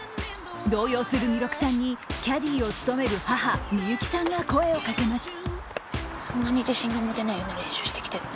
動揺する弥勒さんにキャディーを務める母・みゆきさんが声をかけます。